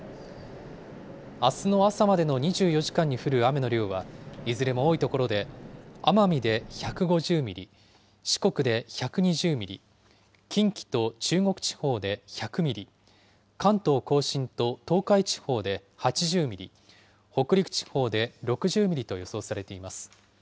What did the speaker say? あすの朝までの２４時間に降る雨の量は、いずれも多い所で奄美で１５０ミリ、四国で１２０ミリ、近畿と中国地方で１００ミリ、関東甲信と東海地方で８０ミリ、北陸地方で６０ミリと予想されています。